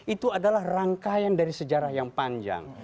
itu adalah rangkaian dari sejarah yang panjang